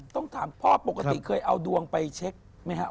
ต้องถามพ่อปกติเคยเอาดวงไปเช็คไหมครับ